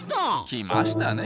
来ましたね